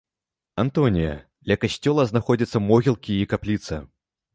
Антонія, ля касцёла знаходзяцца могілкі і капліца.